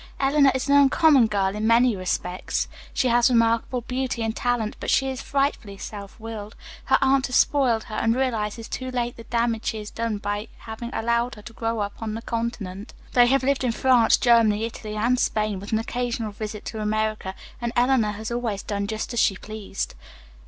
Eleanor is an uncommon girl in many respects. She has remarkable beauty and talent, but she is frightfully self willed. Her aunt has spoiled her, and realizes too late the damage she has done by having allowed her to grow up on the continent. They have lived in France, Germany, Italy and Spain, with an occasional visit to America, and Eleanor has always done just as she pleased.